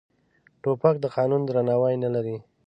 توپک د قانون درناوی نه لري.